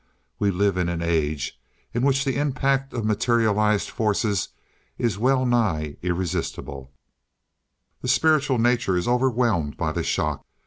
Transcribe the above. We live in an age in which the impact of materialized forces is well nigh irresistible; the spiritual nature is overwhelmed by the shock.